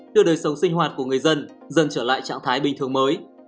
đưa đời sống sinh hoạt của người dân dần trở lại trạng thái bình thường mới